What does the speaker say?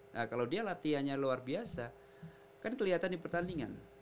nah kalau dia latihannya luar biasa kan kelihatan di pertandingan